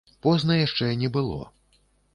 Позна яшчэ не было.